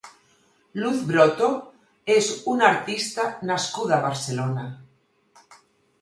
Luz Broto és una artista nascuda a Barcelona.